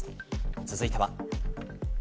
続いては。